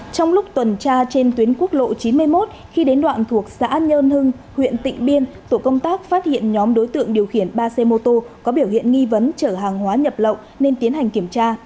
trong lúc tuần tra trên tuyến quốc lộ chín mươi một khi đến đoạn thuộc xã nhơn hưng huyện tịnh biên tổ công tác phát hiện nhóm đối tượng điều khiển ba xe mô tô có biểu hiện nghi vấn chở hàng hóa nhập lậu nên tiến hành kiểm tra